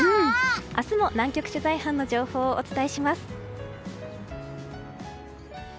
明日も、南極取材班の情報をお伝えします。